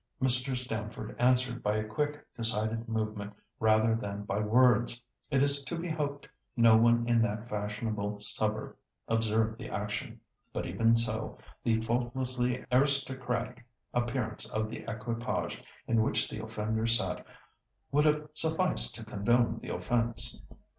Mr. Stamford answered by a quick, decided movement rather than by words. It is to be hoped no one in that fashionable suburb observed the action; but even if so, the faultlessly aristocratic appearance of the equipage in which the offenders sat would have sufficed to condone the offence.